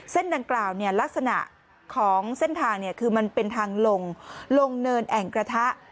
ดังกล่าวเนี่ยลักษณะของเส้นทางคือมันเป็นทางลงลงเนินแอ่งกระทะ